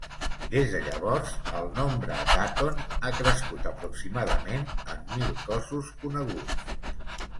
Des de llavors, el nombre d'Aton ha crescut aproximadament en mil cossos coneguts.